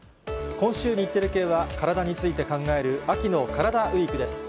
今週、日テレ系は体について考える、秋のカラダＷＥＥＫです。